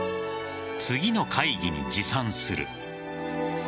次の会議に持参する。